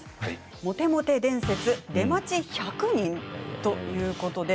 モテモテ伝説出待ち１００人ということです。